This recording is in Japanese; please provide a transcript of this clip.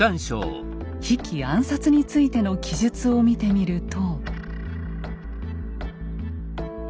比企暗殺についての記述を見てみると。